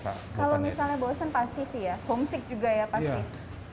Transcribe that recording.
kalau misalnya bosen pasti sih ya homesick juga ya pasti